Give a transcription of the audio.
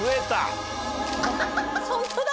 ホントだ。